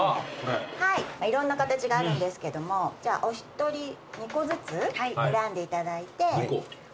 いろんな形があるんですけどお一人２個ずつ選んでいただいて。